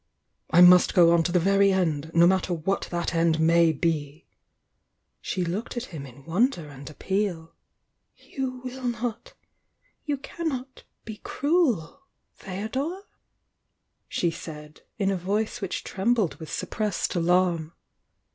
I must go on to the very end,— no matter what that end may be!" She looked at him in wonder and appeal. 'You will not,— you cannot be cruel, Feodor?" she said, in a voice which tr mbled with suppressed alarni.